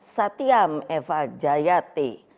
satiam eva jayate